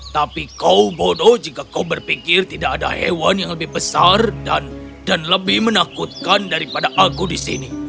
tapi kau bodoh jika kau berpikir tidak ada hewan yang lebih besar dan lebih menakutkan daripada aku di sini